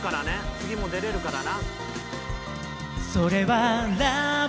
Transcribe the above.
次も出れるからな。